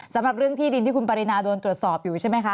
สำหรับเรื่องที่ดินที่คุณปรินาโดนตรวจสอบอยู่ใช่ไหมคะ